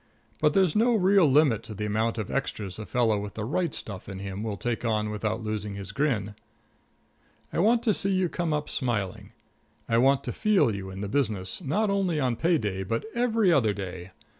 But there's no real limit to the amount of extras a fellow with the right stuff in him will take on without losing his grin. I want to see you come up smiling; I want to feel you in the business, not only on pay day but every other day.